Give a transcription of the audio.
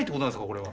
これは。